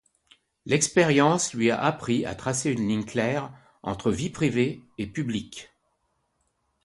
L'expérience lui a appris à tracer une ligne claire entre vie privée et publique.